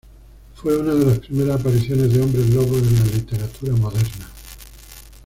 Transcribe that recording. Fue una de las primeras apariciones de hombres lobos en la literatura moderna.